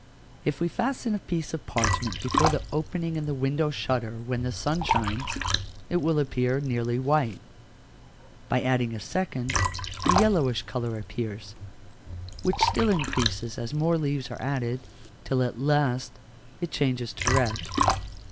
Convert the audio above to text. If we fasten a piece of parchment before the opening in the window shutter when the sun shines, it will appear nearly white; by adding a second, a yellowish colour appears, which still increases as more leaves are added, till at last it changes to red.